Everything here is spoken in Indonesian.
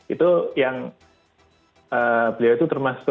itu yang beliau itu termasuk